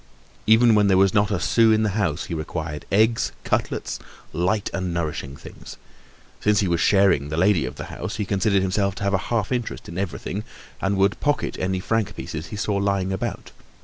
Even when there was not a sou in the house, he required eggs, cutlets, light and nourishing things. Since he was sharing the lady of the house, he considered himself to have a half interest in everything and would pocket any franc pieces he saw lying about.